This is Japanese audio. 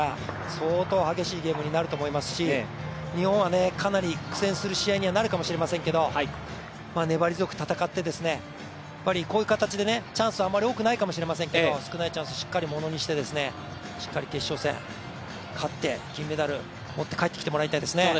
相当、激しいゲームになると思いますし日本はかなり苦戦する試合になるかもしれませんけど粘り強く戦って、こういう形でチャンスはあまり多くないかもしれないですけど、少ないチャンスをしっかりものにして決勝戦金メダル、持って帰ってきてもらいたいですね。